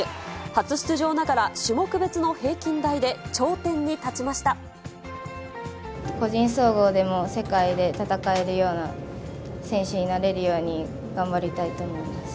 初出場ながら、種目別の平均台で個人総合でも世界で戦えるような選手になれるように、頑張りたいと思います。